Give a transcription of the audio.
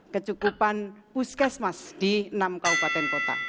kecukupan puskesmas di enam kabupaten kota